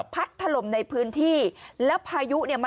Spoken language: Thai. พัดทะลมในพื้นที่แล้วพายุเนี่ย